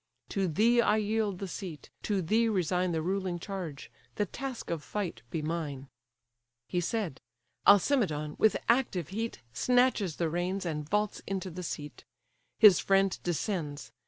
To thee I yield the seat, to thee resign The ruling charge: the task of fight be mine." He said. Alcimedon, with active heat, Snatches the reins, and vaults into the seat. His friend descends.